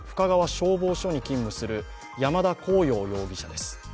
消防署に勤務する山田虹桜容疑者です